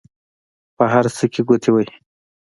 په هر څه کې ګوتې وهي.